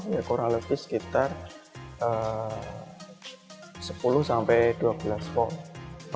ya kurang lebih sekitar sepuluh sampai dua belas volt